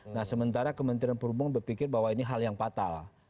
nah sementara kementerian perhubungan berpikir bahwa ini hal yang fatal